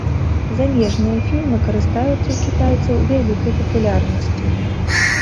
Замежныя фільмы карыстаюцца ў кітайцаў вялікай папулярнасцю.